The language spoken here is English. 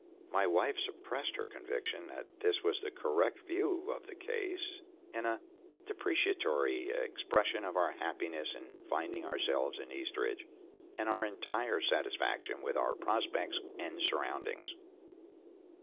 My wife suppressed her conviction that this was the correct view of the case, in a deprecatory expression of our happiness in finding ourselves in Eastridge, and our entire satisfaction with our prospects and surroundings.